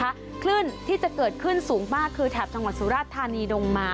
คลื่นที่จะเกิดขึ้นสูงมากคือแถบจังหวัดสุราชธานีดงมา